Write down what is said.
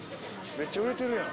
めっちゃ売れてるやん。